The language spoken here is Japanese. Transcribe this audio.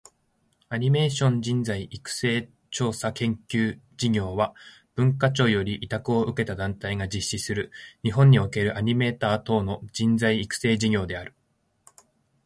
アニメーション人材育成調査研究事業（アニメーションじんざいいくせいちょうさけんきゅうじぎょう）は、文化庁より委託を受けた団体（後述）が実施する、日本におけるアニメーター等の人材育成事業である。